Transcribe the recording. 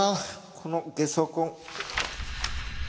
このゲソ痕。